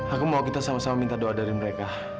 aku mau kita sama sama minta doa dari mereka